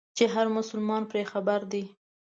چې هر مسلمان پرې خبر دی.